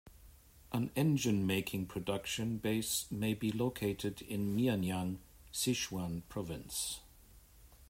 An engine-making production base may be located in Mianyang, Sichuan province.